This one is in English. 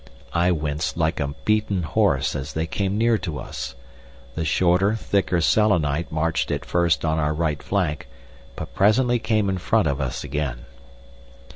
I winced like a beaten horse as they came near to us. The shorter, thicker Selenite marched at first on our right flank, but presently came in front of us again.